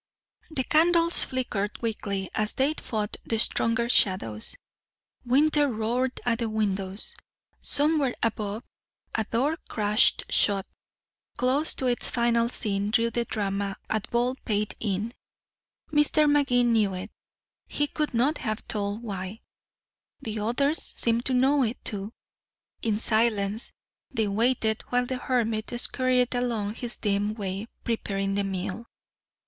The candles flickered weakly as they fought the stronger shadows; winter roared at the windows; somewhere above a door crashed shut. Close to its final scene drew the drama at Baldpate Inn. Mr. Magee knew it, he could not have told why. The others seemed to know it, too. In silence they waited while the hermit scurried along his dim way preparing the meal.